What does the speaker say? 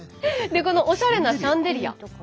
このおしゃれなシャンデリア。